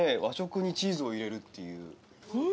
和食にチーズを入れるっていう。